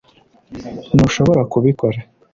ntushobora kubikora